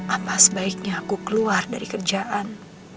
apa sebaiknya aku keluar dari kerjaan